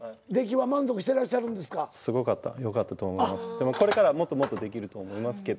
でもこれからもっともっとできると思いますけど。